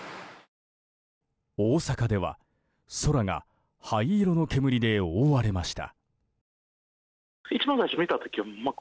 大阪では空が灰色の煙で覆われました。